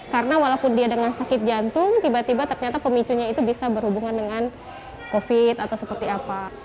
karena walaupun dia dengan sakit jantung tiba tiba ternyata pemicunya itu bisa berhubungan dengan covid atau seperti apa